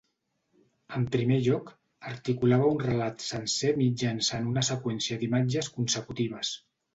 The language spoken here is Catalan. En primer lloc, articulava un relat sencer mitjançant una seqüència d'imatges consecutives.